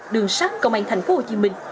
đường sát công an tp hcm